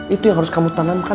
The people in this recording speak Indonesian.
itu yang harus kamu tanamkan